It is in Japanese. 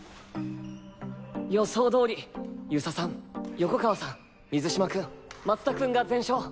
予想通り遊佐さん横川さん水嶋君松田君が全勝。